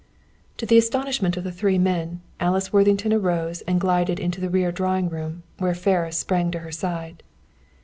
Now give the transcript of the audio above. To the astonishment of the three men, Alice Worthington arose and glided into the rear drawing room, where Ferris sprang to her side.